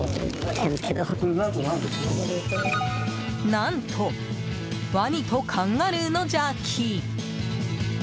何と、ワニとカンガルーのジャーキー。